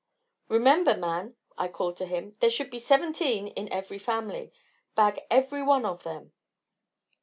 "Remember, man," I called to him, "there should be seventeen in every family; bag every one of them."